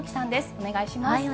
お願いします。